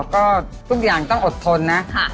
ก็ทุกอย่างต้องอดทนนะ